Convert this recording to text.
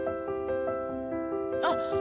あっ。